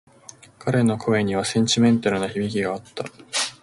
彼の声にはセンチメンタルな響きがあった。